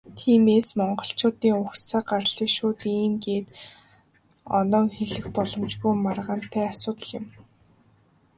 Тиймээс, монголчуудын угсаа гарлыг шууд "ийм" гээд оноон хэлэх боломжгүй, маргаантай асуудал юм.